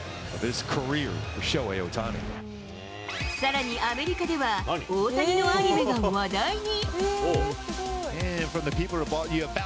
さらにアメリカでは、大谷のアニメが話題に。